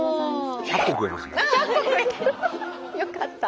よかった。